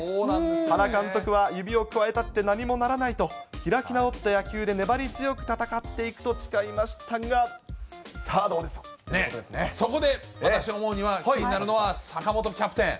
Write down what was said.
原監督は、指をくわえたって何もならないと、開き直った野球で粘り強く戦っていくと誓いましたが、さあどうでそこで私が思うには、気になるのは坂本キャプテン。